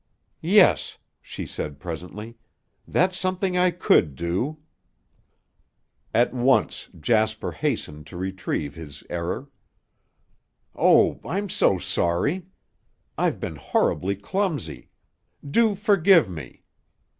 "Yes," she said presently; "that's something I could do." At once Jasper hastened to retrieve his error. "Oh, I'm so sorry. I've been horribly clumsy. Do forgive me.